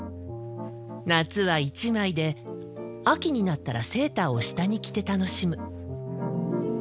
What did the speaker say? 夏は一枚で秋になったらセーターを下に着て楽しむ。